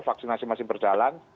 vaksinasi masih berjalan